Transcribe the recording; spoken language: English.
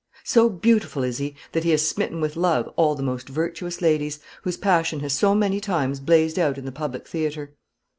So beautiful is he that he has smitten with love all the most virtuous ladies, whose passion has many times blazed out in the public theatre.